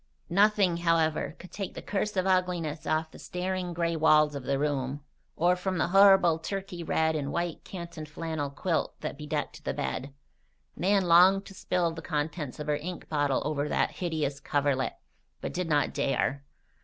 Nothing, however, could take the curse of ugliness off the staring gray walls of the room, or from the horrible turkey red and white canton flannel quilt that bedecked the bed. Nan longed to spill the contents of her ink bottle over that hideous coverlet, but did not dare.